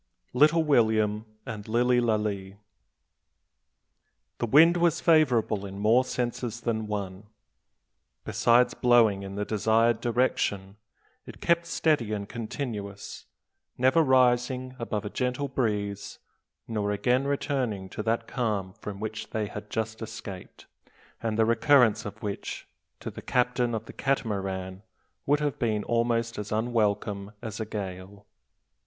LITTLE WILLIAM AND LILLY LALEE. The wind was favourable in more senses than one. Besides blowing in the desired direction, it kept steady and continuous, never rising above a gentle breeze, nor again returning to that calm from which they had just escaped, and the recurrence of which, to the captain of the Catamaran, would have been almost as unwelcome as a gale.